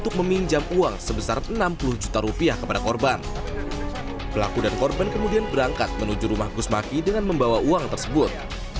pelaku dan korban kemudian berangkat menuju rumah gus maki dengan membawa uang tersebut